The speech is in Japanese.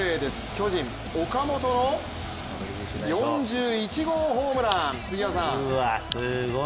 巨人・岡本の４１号ホームラン。